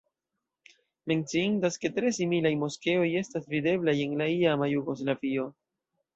Menciindas, ke tre similaj moskeoj estas videblaj en la iama Jugoslavio.